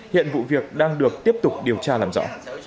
hiện vụ việc đang được tiếp tục điều tra làm rõ